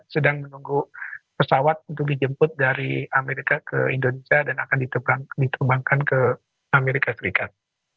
sedang menunggu pesawat untuk dijemput dari amerika ke indonesia dan akan diterbangkan ke amerika serikat